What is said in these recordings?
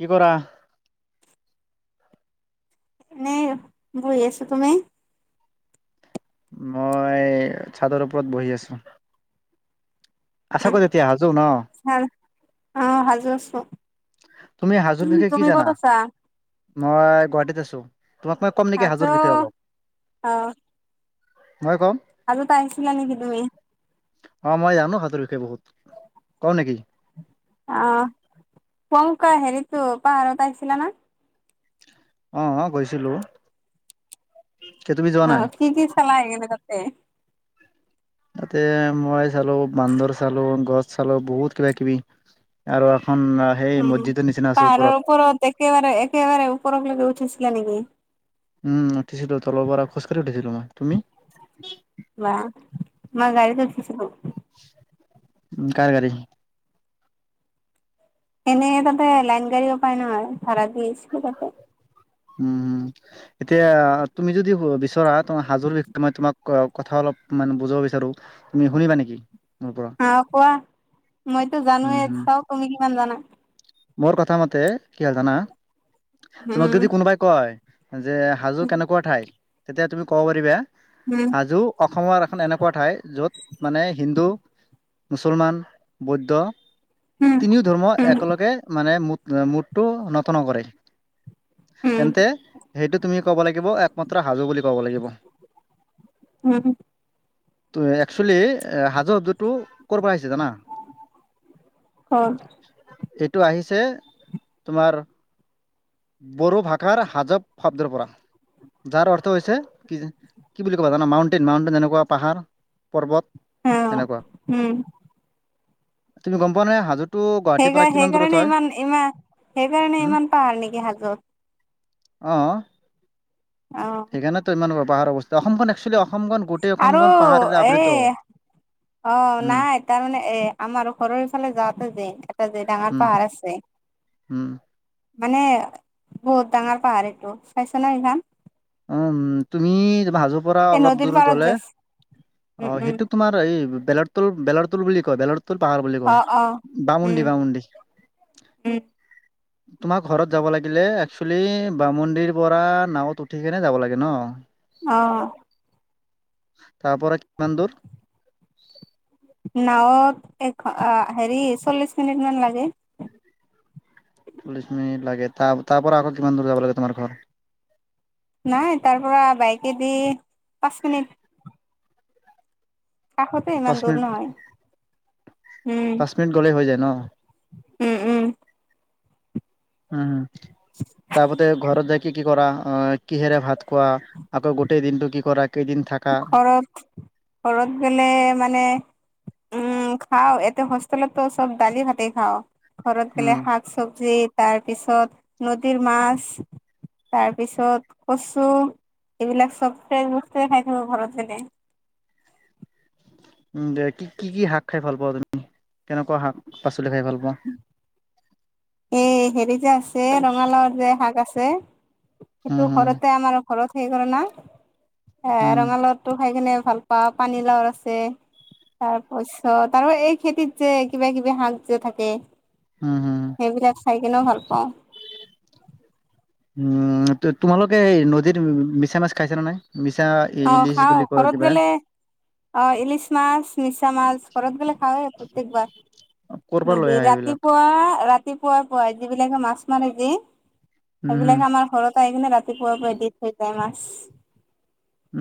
কি কৰা এনেই বহি আছো তুমি মই চাদৰ ওপৰত বহি আছো। আছ কত এতিয়া হাজো ন ভাল অ সাজু আছো তুমি হাজোত তেতিয়া কি জানা ক'ত আছা মই গুৱাহাটীত আছো তোমাক মই কম নেকি সাজু হাজোৰ বিষয়ে অলপ মই কম। আগতে আহিছিলা নেকি তুমি অ মই জানো হাজোৰ বিষয়ে বহুত কওঁ নেকি আহ শংকা হেৰিতো পাৰতাইছিলা না অহ গৈছিলো কে তুমি যোৱা অ নাই কি কি চালা আহি কিনে তাতে তাতে মোৱাই চালো বান্দৰ চালো গছ চালো বহুত কিবা কিবি আৰু এখন সেই উম মছজিদৰ নিচিনা আছে পাহাৰৰ ওপৰত একেবাৰে একেবাৰে ওপৰৰ লেকে উঠিছিলা নেকি উম উঠিছিলো তলৰ পৰা খোজকাঢ়ি উঠিছিলো মই তুমি দেখিছিলো উম কাৰ গাড়ী এনে তাতে লাইন গাড়ী পায় নহয় ভাড়া দিছিলো তাতে উমম এতিয়া তুমি যদি বিচৰা তোমাৰ হাজোৰ বিষয় মই তোমাক কথা অলপ মানে বুজাব বিচাৰো তুমি শুনিবা নেকি মোৰ পৰা? আহ কোৱা মইতো উম, জানোয়ে হুম। চাও তুমি কিমান জানা মোৰ কথা মতে কি হাল জানা তোমাক উম যদি কোনোবাই কয় যে হাজো কেনেকুৱা ঠাইত তেতিয়া তুমি ক'ব পাৰিবা উম হাজো অসমৰ এখন এনেকুৱা ঠাই য'ত মানে হিন্দু মুছলমান বৌদ্ধ উম তিনিও ধৰ্ম উম একেলগে [unintelligible] কবলাগিব একমাত্ৰ উম হাজো বুলি কব লাগিব' উম ত একচুৱেলি হাজু শব্দ টো ক'ৰ পৰা আহিছে জানা? হয় এইটো আহিছে তোমাৰ বড়ো ভাষাৰ হাজব শব্দৰ পৰা যাৰ অৰ্থ হৈছে কি কি বুলি ক'ব জানা মাউণ্টেইন, মাউণ্টেইন যেনেকুৱা পাহাৰ -পৰ্বত। অ এনেকুৱা উম। তুমি গম পোৱা নহয় হাজোতো গুৱাহাটীৰ পৰা সেইকাৰ কিমান দূৰত সেইকাৰণে হয় ইমান ইমান সেইকাৰণে উম ইমান পাহাৰ নেকি হাজোত অ অ সেইকাৰণে তো ইমান ব পাহাৰৰ অৱস্থ অসমখন একচুৱেলী আৰু এ। অ উম নাই তাৰমানে এ আমাৰ ঘৰৰ ফালে যাওঁতে যেন এটা যে ডাঙৰ পাহাৰ আছে। হম। মানে বহুত ডাঙৰ পাহাৰ এইটো। চাইছ ন ইভান? উ উ তুমি। হাজো পৰা এই অলপ নদীৰ দূৰ পাৰত গ'লে যে আছে, অ উম উম সেইটো তোমাৰ এই বলত ত বেলৰতুল বুলি কয় বেলৰ তোৰ পাহাৰ বুলি অ কয় অ বামুণ্ডি, উম বামুণ্ডি। উম তোমাৰ ঘৰত যাব লাগিলে একচুৱেলি বামোন্দিৰ পৰা নাৱত উঠ উঠিকেনে যাব লাগে ন। অ। তাৰ পৰা কিমান দূৰ? নাৱত এ হেৰি চল্লিশ মিনিট মান লাগে। চল্লিশ মিনিট লাগে ত তাৰ পৰা আকৌ কিমান দূৰ যাব লাগে তোমাৰ ঘৰ। নাই তাৰ পৰা বাইকে দি, পাঁচ মিনিট। কাষতে ইমান পাঁচ দূৰ মিনিট, নহয় উম পাঁচ মিনিট গলেই হৈ যায় ন। উম উম। উম, তাৰপতে ঘৰত য কি কি কৰা। অ কিহেৰে ভাত খোৱা, আকৌ গোটেই দিনটো কি কৰা। কেইদিন থাকা ঘৰত, ঘৰত গলে মানে। উম খাও এতে হোষ্টেলতো সব দালি ভাতে খাও, ঘৰত গেলে উম শাক চবজি। তাৰ পিছত, নদীৰ মাছ। তাৰ পিছত, কচু এইবিলাক চব ফ্ৰেচ বস্তুৱে খাই ঘৰত গলে উম দে কি কি কি শাক খাই ভাল পাওঁ তুমি, কেনেকুৱা শাক পাচ চুলি খাই ভাল পোৱা। এই হেৰি যে আছে ৰঙালাওৰ যে শাক আছে, উম সেইটো হম ঘৰতে আমাৰ। ঘৰত সে কৰে, না এ উম ৰঙালাওটো খাই কিনে। ভাল পা পানী লাৱৰ আছে। তাৰপছত এই খেতিত যে কিবা কিবি হাঁক যে থাকে। উম হম সেইবিলাক খাই কিনেও ভাল পাওঁ। উম তোমালোকে নদীৰ মিছা মাছ খাইছ নে নাই। মিছা অ ইলিছ খাও বুলি কয় ঘৰত কিবা গেলে। অ ইলিছ মাছ মিছা মাছ ঘৰত গ'লে খাৱেই। প্ৰত্যেকবাৰ ক'ৰ পৰা লৈ নদী আহে এইবিলাক ৰাতিপুৱা ৰাতি ৰাতিপুৱাই পুৱাই যিবিলাকে মাছ মাৰে যে। উম, হুম, সেইবিলাক আমাৰ ঘৰত আহি কিনে ৰাতিপুৱাৰ পুৱা এ দি থৈ যায় মাছ।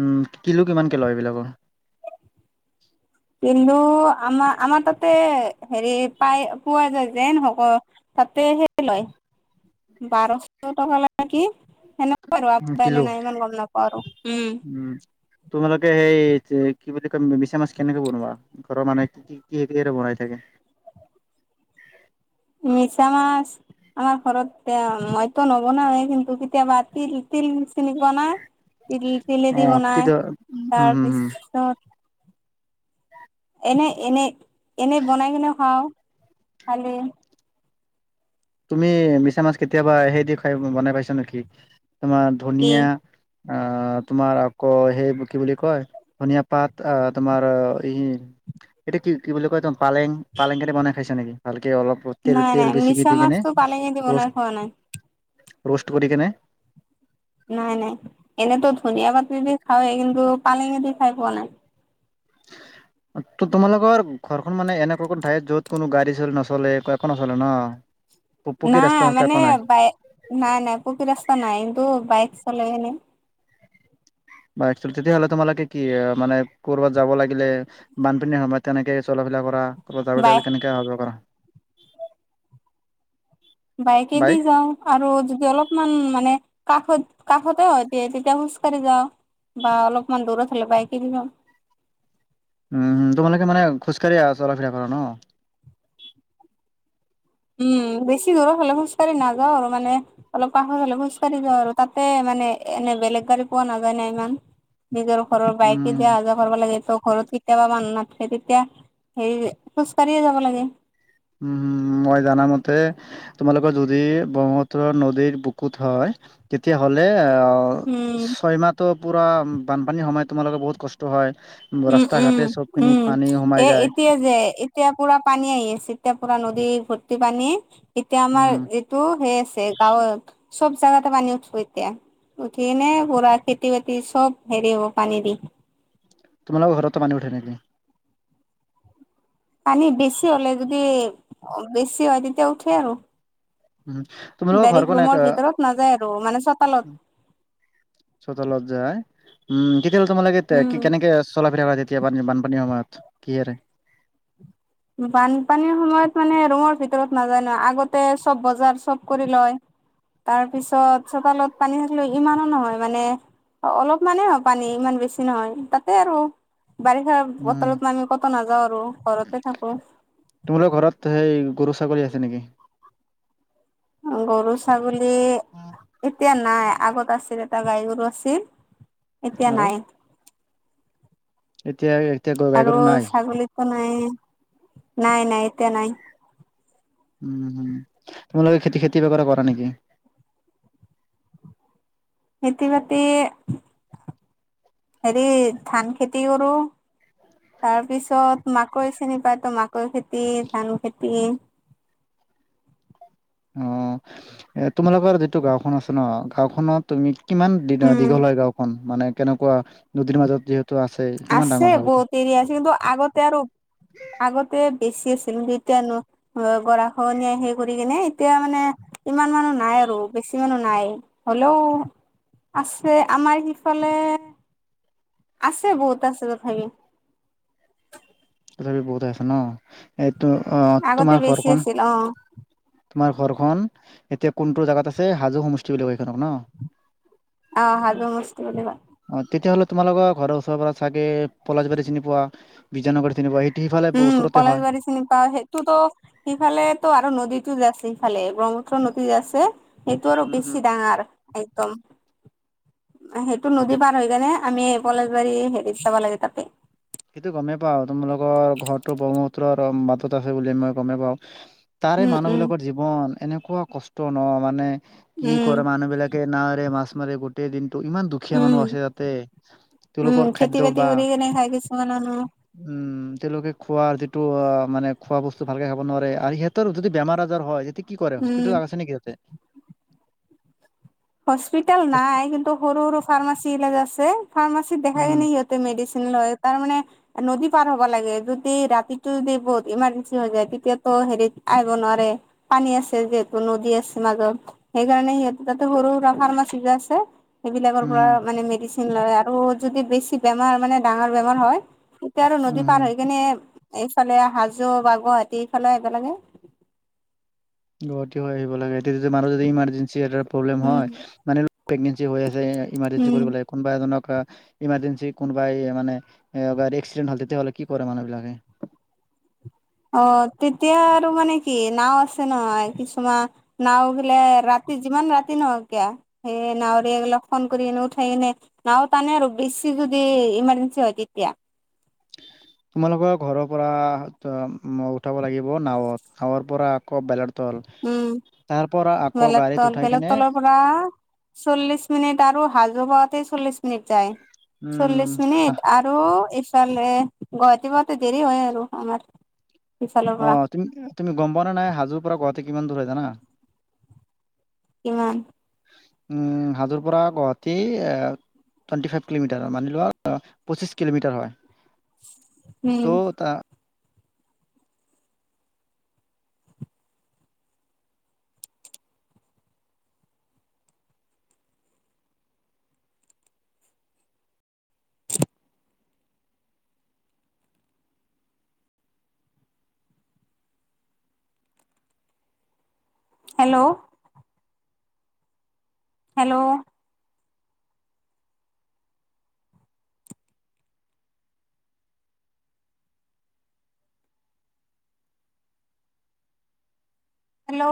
উম কিলো কিমানকে লয় এইবিলাকৰ। কিন্তু আমাৰ আমাৰ তাতে হেৰি পাই পোৱা যায় যেনহক। তাতে সেই লয়, বাৰশ টকা লয় কি। ন পাৰ উম, আ কিলো এনে নাই ইমান গম নাপাও আৰু। উম। তোমালোকে সেই যে কি বুলি কয় মিছা মাছ কেনেকে বনোৱা, ঘৰৰ মানুহে কি কি কি কিহৰে বনাই থাকে। [unintelligible] মিছা মাছ। আমাৰ ঘৰত এ মইতো নবনাওঁ কিন্তু কেতিয়াবা তিল তিল। তিল দি বনাই, তেলেদি অ', বনাই তেতিয়া উম, হুম, হুম, তাৰপিছত। এনে এনে, এনে বনাই কেনে খাওঁ খালী তুমি মিছা মাছ কেতিয়াবা সেই দি খাই বনাই পাইছা নেকি। তোমাৰ কি ধুনিয়া অহ। তোমাৰ আকৌ সেই কি বুলি কয়, ধুনিয়া পাত তোমাৰ ই। এতিটো কি কি বুলি কয় ত পালেং পালেং কেইটা বনাই খাইছ নেকি ভালকে অলপ তেল নাই তেল নাই বেছিকে। মিছা দি কেনে মাছো পালেঙি দিব নাই খোৱা নাই। ৰোষ্ট কৰি কেনে। নাই নাই এনেতো ধুনিয় পাতদি খাওেই কিন্তু পালেঙ দি খাই পোৱা নাই। [unintelligible] তো তোমালোকৰ ঘৰখন মানে এনেকুৱা কত ঠাইত য'ত কোনো গাড়ী চ়ি নচলে একো নচলে ন। প পকী নাই ৰাস্তা চাস্তা মানে, একো নাই বাই নাই নাই পকী ৰাস্তা নাই কিন্তু বাইক। চলে এনেই বাইক চলোৱা তেতিয়াহ'লে তোমালোকে কি মানে কৰোত যাব লাগিলে বানপানীৰ সময়ত তেনেকে চল। বাত যাব বাইক ললে কেনেকে হ কৰা। [unintelligible] বাইকেদি বাইক যাওঁ আৰু যদি অলপমান মানে। কাষত কাষতে হয়তি তেতিয়া খোজ কঢ়ি যাওঁ। বা অলপমান দূৰত হলে বাইকেদি যাওঁ [unintelligible] উম তোমালোকে মানে খোজকাঢ়ি অহা চলা ফুৰ কৰা ন উম বেছি দূৰৰ হ'লে খোজকাঢ়ি নাযাওঁ আৰু মানে অলপ কাষৰ হ'লে খোজ কঢ়ি যাওঁ আৰু তাতে মানে এনে বেলেগ গাড়ী পোৱা নাযায় ন ইমান নিজৰ ঘৰৰ বাইকে উম দিয়া অহা যোৱা কৰিব লাগে ঘৰত কেতিয়াবা মানুহ নাথাকে তেতিয়া হে খোজ কঢ়িয়ে যাব লাগে উম হম মই জানামতে তোমালোকৰ যদি ব্ৰহ্মপুত্ৰ নদীৰ বুকুত হয় তেতিয়া হ'লে অহ। উম। ছয়মাহটো পোৰা বানপানীৰ সময়ত তোমালোকে বহুত কষ্ট হয় উম ৰাস্তা উম ঘাটে চবখিনি উম পানী সোমাই এ যায় এতিয়া যে এতিয়া পোৰা পানী আহি আছে এতিয়া পোৰা নদী ভৰ্তি পানী এতিয়া আমাৰ উম, যিটো সেই গাঁৱৰ চব জাগাতে পানী উঠিব এতিয়া উঠিনে পোৰা খেতি বাতি চব হেৰি হ'ব পানী দি তোমাল ঘৰতত পানী উঠা নেকি পানী বেছি হলে যদি বেছি হয় তেতিয়া উঠে আৰু তোমাৰ লোকৰ ডাইৰেক্ট ঘৰখন বনাই ৰুমৰ ভিতৰত নাযায় আৰু মানে চোতালত আছো সত লত্জ উম কতিয় ব তোমালাগে উম। কেনেকে চোলা ফিৰা [unintelligible] এতিয়া বা পানী বানপানী সময়ত কিৰে বানপানীৰ সময়ত মানে ৰুমৰ ভিতৰত নাযায় ন আগতে চব বজাৰ চব কৰি লয় তাৰপিছত চোতালত পানী থাকিলে ইমানো নহয় মানে অ অলপমানানে হয় পানী ইমান বেছি নহয় তাতে আৰু বাৰিষা বতৰত আমি ক'ত নাযাওঁ আৰু ঘৰত তোমালোক ঘৰত সেই গৰু ছাগলী আছে নেকি গৰু ছাগলী এতিয়া নাই আগত আছিল এটা গাই গৰু আছিল এতিয়া আৰু? নাই এতিয়া এতিয়া গ- গাই আৰু গৰু নাই? ছাগলীতো নাই নাই নাই এতিয়া নাই উম তোমালোকে খেতি খেতি কিবা কৰা নেকি খেতি বাতি হেৰি ধান খেতি কৰো তাৰপিছত মাকৈ চিনি পায় তো মাকৈ খেতি ধান খেতি টো অ এ তোমালোকৰ যিটো গাঁওখন আছে ন গাঁওখনত তুমি কিমান উম দীঘল হয় গাঁওখন মানে কেনেকুৱা নদীৰ মাজত যিহেতু আছে কিমান আছে ডাঙৰ হয় এইটো? বহুত এৰি আছে কিন্তু আগতে আৰু আগতে বেছি আছে কিন্তু এতিয়া গৰা খহনীয়া সেই কৰি কিনে এতিয়া মানে ইমান মানুহ নাই আৰু বেছি কিছিমানো নাই হ'লেও আছে আমাৰ সিফালে আছে বহুত আছে তথাপি তথাপি বহুত আছে ন এইটো অ আগতে তোমাৰ বেছি ঘৰখন আছিল অ তোমাৰ ঘৰখন এতিয়া কোনটো জোগাত আছে হাজো সমষ্টি বুলি কয় সেইখনক ন অহ হাজো সমষ্টি বুলি কয়। অ তেতিয়াহ'লে তোমালোকৰ ঘৰৰ ওচৰ পৰা চাগে পলাজবাৰী চিনি পোৱা বিজয়নগৰ চিনি পোৱা স উম পলাশ বাৰী চিনি পাও সেইটোতো সিফালে তো আৰু নদীতো য আছে ফালে ব্ৰহ্মপুত্ৰ নদীত আছে সেইটো আৰু উম হম বেছি ডাঙৰ একদম সেইটো নদী পাৰ হৈ কেনে আমি পলেজ বাৰী হেৰিত চাব লাগে তাতে সেইটো গমেই পাওঁ তোমালোকৰ ঘৰটো ব্ৰহ্মসূত্ৰৰ মাটত আছে বুলি মই গমে পাওঁ। তাৰে উম মানুহ উম বিলাকৰ জীৱন এনেকুৱা কষ্ট ন মানে কি উম কৰে মানুহ বিলাকে ন মাছ মাৰে গোটেই দিন ত ইমান দুখীয়া উম মানুহ আছে তাতে উম তেওঁলোকৰ খেতি খাদ্য বাতি বা কৰি কেনে খাই কিছুমান মানুহ উম তেওঁলোকে খোৱাৰ যিটো মানে খোৱা বস্তু ভালকে খাব নোৱাৰে আৰু সিহঁতৰ যদি বেমাৰ আজাৰ হয় কি কৰে উম হস্পিটেল আছে নেকি ইয়াতে হস্পিটেল হচ নাই কিন্তু সৰু সৰু ফাৰ্মাচী বিলাক আছে ফাৰ্মাচিত দেখাই কিনে উম, সহঁতে মেডি তাৰ মে নদী পাৰ হ'ব লাগে যদি ৰাতিটো যদি বহুত ইমাৰ্জেঞ্চি হৈ যায় তেতিয়া হেৰিত আহিব নোৱাৰে পানী আছে। যিহেতু নদী আছে মাজত সেইকাৰণে সিহঁতি তাতে সৰু সুৰা ফাৰ্মাচী যে আছে সেইবিলাকৰ পৰা উম, মানে মেডিচিন লয় আৰু যদি বেছি বেমাৰ মানে ডাঙৰ বেমাৰ হয় তেতিয়া আৰু উম, নদী পাৰ হুম, হৈ কিনে এইফালে হাজো বা গুৱাহাটী এইফালে এইবেলাগে গ হৈ আহিব লাগে তেতিয়া মানুহ যদি ইমাৰজেঞ্চি এটা প্ৰব্লেম উম হয় মানে প্ৰেগনেঞ্চি হৈ আহ যে ইমাৰ্জেঞ্চি উম কৰিব লাগে কোনোবা এজনক ইমাৰ্জেঞ্চি কোনোবাই মানে এক্সিডেট হল তেতিয়াহলে কি কৰে মানুহ বিলাকে? [unintelligible] অ তেতিয়া আৰু মানে কি নাও আছে নহয়। কিছুমান নাও গলে ৰাতি যিমান ৰাতি নহ কিয়া সেই নাৱৰে লগ ফন কৰিকিনে উঠাই কিনে নাও টানে আৰু বছ যদি ইমাৰজেন্ঞ্চি হয় তেতিয়া [unintelligible] তোমালোকৰ ঘৰৰ পৰা উঠাব লাগিব নাৱত নাৱৰ পৰা আকৌ তাৰপ বেলেগ তল বেলেগ তলৰ পৰা চল্লিশ মিনিট আৰু হাজু বা চল্লিশ মিনিট যায় উম চল্লিশ মিনিট আৰু ইফালে গুৱাহাটী দেৰি হয় আৰু আমাৰ ইফালৰ অ পৰা তুম তুমি গম পানে নাই হাজোৰ পৰা গুৱাহাাটী কিমান দূৰ হয় জানা? কিমান? উম হাজোৰ পৰা গুৱাহাটী এ টুৱেন্টি ফাইভ কিলমিটাৰ মান লোৱা পঁচিছ কিলোমিটাৰ হয় উম ত ত [unintelligible] হেল্ল' হেল্ল' হেল্ল'